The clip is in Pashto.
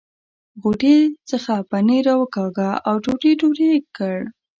غوټې څخه پنیر را وکاږه او ټوټې ټوټې یې کړ.